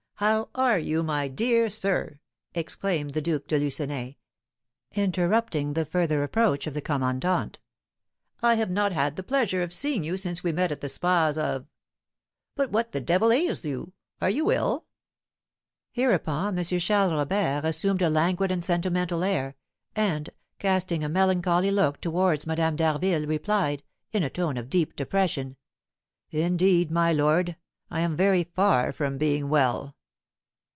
How are you, my dear sir?" exclaimed the Duke de Lucenay, interrupting the further approach of the commandant. "I have not had the pleasure of seeing you since we met at the spas of . But what the devil ails you, are you ill?" Hereupon M. Charles Robert assumed a languid and sentimental air, and, casting a melancholy look towards Madame d'Harville, replied, in a tone of deep depression: "Indeed, my lord, I am very far from being well."